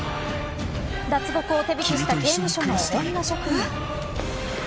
脱獄を手引きした刑務所の女職員。